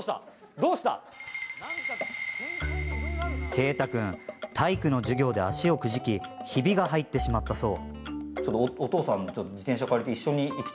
啓太君、体育の授業で足をくじきひびが入ってしまったそう。